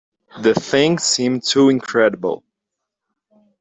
The thing seemed too incredible.